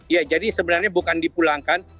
ya jadi sebenarnya bukan dipulangkan